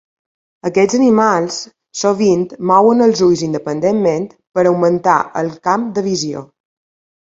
Aquests animals, sovint mouen els ulls independentment per augmentar el camp de visió.